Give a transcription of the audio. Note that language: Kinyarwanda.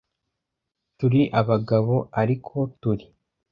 Turi abagabo ariko turi,